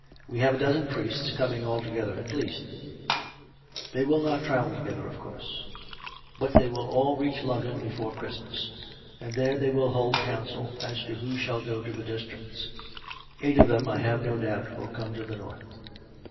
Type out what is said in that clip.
" We have a dozen priests coming all together — at least, they will not travel together, of course; but they COME RACK! COME ROPE! 133 will all reach London before Christmas, and there they will hold counsel as to who shall go to the districts. Eight of them, I have no doubt, will come to the north.